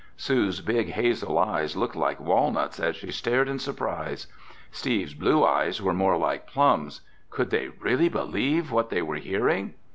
Sue's big hazel eyes looked like walnuts as she stared in surprise. Steve's blue eyes were more like plums. Could they really believe what they were hearing?